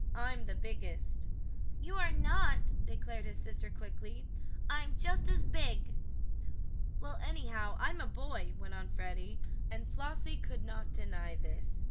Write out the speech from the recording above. "I'm the biggest." "You are not!" declared his sister quickly. "I'm just as big." "Well, anyhow, I'm a boy," went on Freddie, and Flossie could not deny this.